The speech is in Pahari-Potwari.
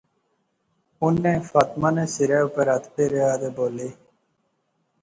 انیں فاطمہ نے سرے اوپر ہتھ پھیریا تہ بولے